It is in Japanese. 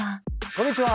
こんにちは。